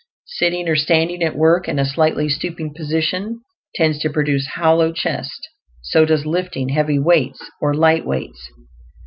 Sitting or standing at work in a slightly stooping position tends to produce hollow chest; so does lifting heavy weights or light weights.